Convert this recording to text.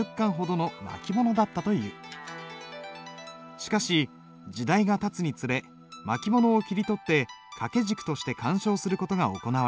しかし時代がたつにつれ巻物を切り取って掛け軸として鑑賞する事が行われた。